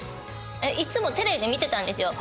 いつもテレビで見てたんですよ。